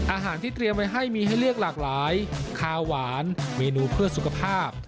อาหารที่เตรียมไว้ให้มีให้เลือกหลากหลายคาหวานเมนูเพื่อสุขภาพ